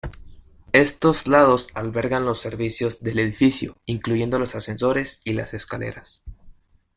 Estos lados albergan los servicios del edificio, incluyendo los ascensores y las escaleras.